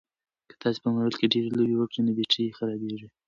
که تاسي په موبایل کې ډېرې لوبې وکړئ نو بېټرۍ خرابیږي.